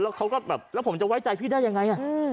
แล้วเขาก็แบบแล้วผมจะไว้ใจพี่ได้ยังไง